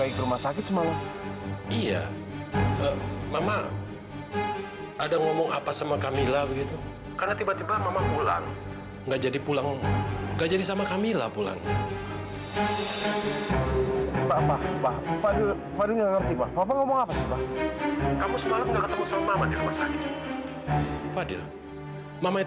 kamu gak ketemu sama mama